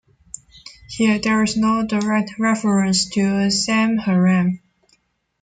Here there is no direct reference to samharam.